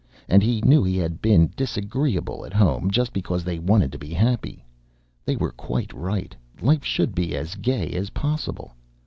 And he knew he had been disagreeable at home, just because they wanted to be happy. They were quite right; life should be as gay as possible.